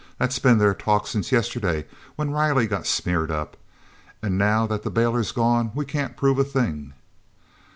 That's been their talk since yesterday when Riley got smeared up—and now that the bailer's gone we can't prove a thing."